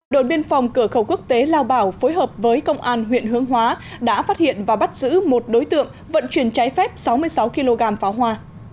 đội biên phòng cửa khẩu quốc tế lao bảo phối hợp với công an huyện hướng hóa đã phát hiện và bắt giữ một đối tượng vận chuyển trái phép sáu mươi sáu kg pháo hoa